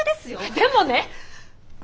でもね！